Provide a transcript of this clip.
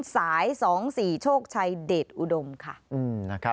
สีโชคชัยเด็ดอุดมค่ะ